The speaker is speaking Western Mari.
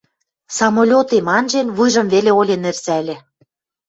Самолетем анжен, вуйжым веле олен ӹрзӓльӹ.